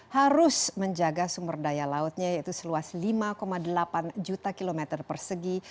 harus menjaga sumber daya lautnya yaitu seluas lima delapan juta kilometer persegi